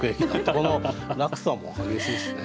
この落差も激しいしね。